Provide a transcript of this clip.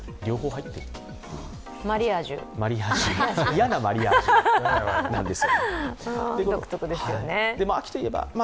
嫌なマリアージュなんです。